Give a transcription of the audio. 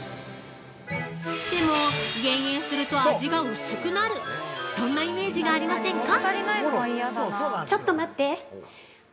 でも、減塩すると味が薄くなる、そんなイメージがありませんか？